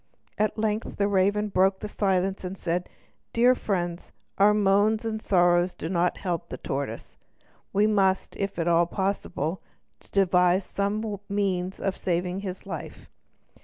At length the raven broke the silence, and said: "Dear friends, our moans and sorrow do not help the tortoise. We must, if it be at all possible, devise some means of saving his life.